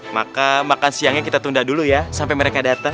maka makan siangnya kita tunda dulu ya sampai mereka datang